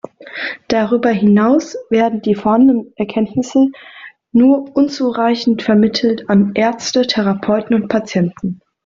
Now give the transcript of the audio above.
Darüber hinaus werden die vorhandenen Erkenntnisse nur unzureichend vermittelt an Ärzte, Therapeuten und Patienten.